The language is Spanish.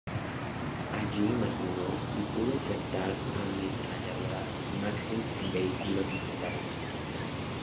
Allí imaginó y pudo insertar Ametralladoras Maxim en vehículos militares.